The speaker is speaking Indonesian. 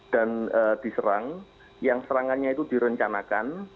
dan diserang yang serangannya itu direncanakan